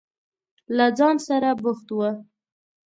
له ځان سره بوخت و.